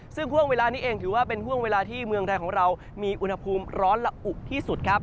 ซึ่งห่วงเวลานี้เองถือว่าเป็นห่วงเวลาที่เมืองไทยของเรามีอุณหภูมิร้อนและอุที่สุดครับ